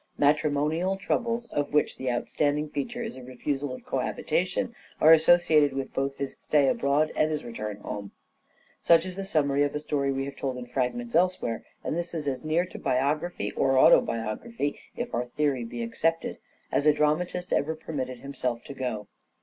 Matrimonial troubles, of which the outstanding feature is a refusal of cohabitation, are associated with both his stay abroad and his return home. Such is the summary of a story we have told in fragments elsewhere, and is as near to biography, or autobiography if our theory be accepted, as a dramatist ever permitted himself to go.